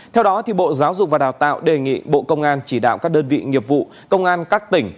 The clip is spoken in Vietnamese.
theo đó bộ giáo dục và đào tạo đề nghị bộ công an chỉ đạo các đơn vị nghiệp vụ công an các tỉnh